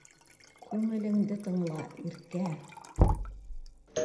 Күңелеңде тыңла, Иркә.